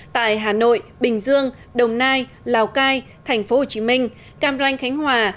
tại hà nội bình dương đồng nai lào cai tp hcm cam ranh khánh hòa